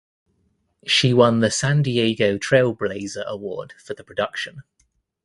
She won the San Diego Trailblazer award for the production.